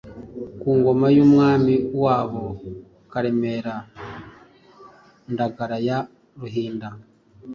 ku ngoma y'umwami wabo Karemera Ndagara ya Ruhinda,